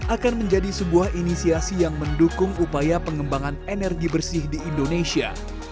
akan menjadi sebuah inisiasi yang mendukung upaya pengembangan energi bersih di indonesia